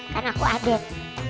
kan aku adek